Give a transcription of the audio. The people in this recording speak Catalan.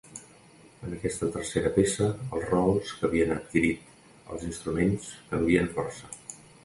En aquesta tercera peça els rols que havien adquirit els instruments canvien força.